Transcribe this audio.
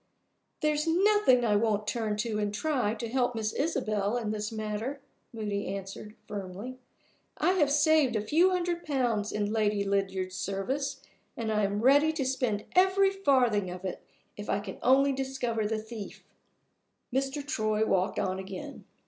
"There's nothing I won't turn to, and try, to help Miss Isabel in this matter," Moody answered, firmly. "I have saved a few hundred pounds in Lady Lydiard's service, and I am ready to spend every farthing of it, if I can only discover the thief." Mr. Troy walked on again.